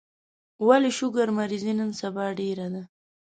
ولي شوګر مريضي نن سبا ډيره ده